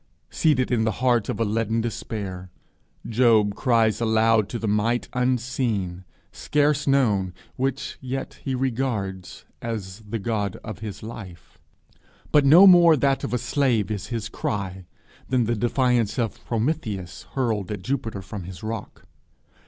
Seated in the heart of a leaden despair, Job cries aloud to the Might unseen, scarce known, which yet he regards as the God of his life. But no more that of a slave is his cry, than the defiance of Prometheus hurled at Jupiter from his rock.